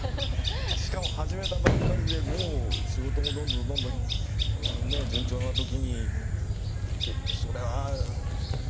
しかも始めたばっかりでもう仕事もどんどんどんどんね順調な時にってそれはね。